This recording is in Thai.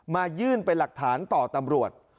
มายื่นไปหลักฐานต่อตำรวจ